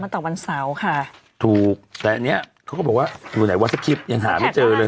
ตอนวันเซาค่ะถูกแต่เนี้ยเขาก็บอกว่าดูไหนยังหาไม่เจอเลย